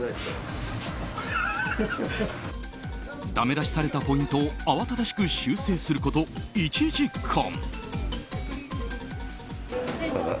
だめ出しされたポイントを慌ただしく修正すること１時間。